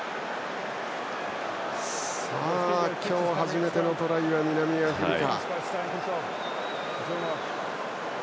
さあ、今日初めてのトライは南アフリカ。